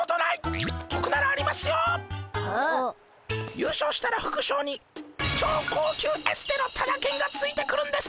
優勝したらふくしょうに超高級エステのタダけんがついてくるんです。